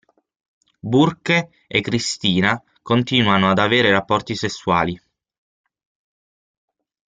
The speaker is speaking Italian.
Burke e Cristina continuano ad avere rapporti sessuali.